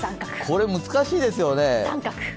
これ、難しいですよね。